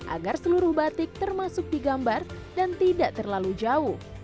agar seluruh batik termasuk digambar dan tidak terlalu jauh